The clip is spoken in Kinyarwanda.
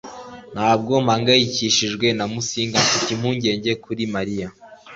Ntabwo mpangayikishijwe na Musinga Mfite impungenge kuri Mariya